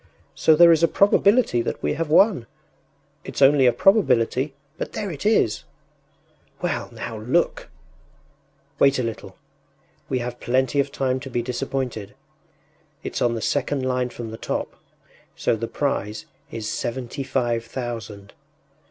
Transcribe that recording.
“So there is a probability that we have won. It’s only a probability, but there it is!” “Well, now look!” “Wait a little. We have plenty of time to be disappointed. It’s on the second line from the top, so the prize is seventy five thousand.